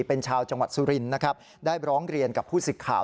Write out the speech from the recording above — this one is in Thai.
เป็นชาวจังหวัดสุรินทร์นะครับได้ร้องเรียนกับผู้สิทธิ์ข่าว